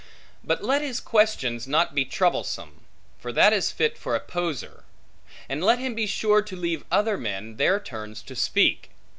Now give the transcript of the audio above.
But let his questions not be troublesome; for that is fit for a poser. And let him be sure to leave other men, their turns to speak.